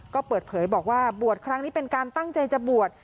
ก็เปิดเผยบอกว่าบวชครั้งนี้เป็นการตั้งใจจะบวช